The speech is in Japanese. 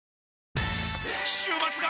週末が！！